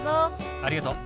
ありがとう。